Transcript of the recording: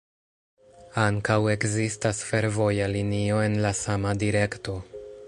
Ankaŭ ekzistas fervoja linio en la sama direkto.